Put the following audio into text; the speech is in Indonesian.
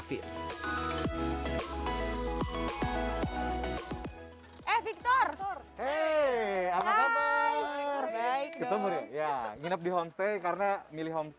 tidak perlu nyangkain lagi deh